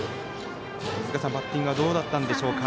バッティングはどうだったんでしょうか？